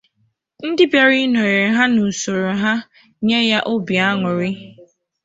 ndị bịara ịnọnyere ha na isoro ha nwee ya bụ obi añụrị.